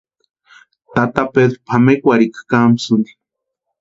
Tata Pedru pʼamekwarhikwa kámsïnti.